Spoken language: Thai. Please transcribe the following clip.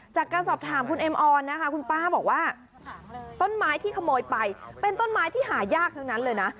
จากการสอบถามคุณเอ็มออนนะคะคุณป้าบอกว่าต้นไม้ที่ขโมยไปเป็นต้นไม้ที่หายากทั้งนั้นเลยนะ